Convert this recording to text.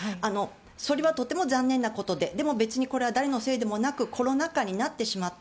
それはとても残念なことででも別にこれは誰のせいでもなくコロナ禍になってしまった。